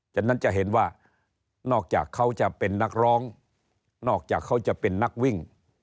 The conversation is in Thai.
ฉะนั้นจะเห็นว่านอกจากเขาจะเป็นนักร้องนอกจากเขาจะเป็นนักวิ่ง